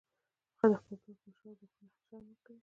هغه د خپل پلار په مشوره او لارښوونه هر شي عمل کوي